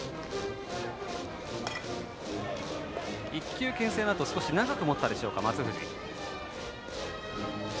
１球けん制のあと少し長く持ったでしょうか松藤。